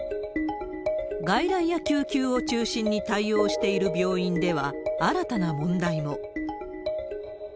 外来や救急を中心に対応している病院では、新たな問題も。